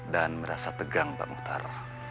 dan merasa tegang pak mukhtar